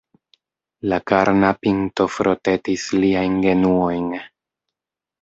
La karna pinto frotetis liajn genuojn.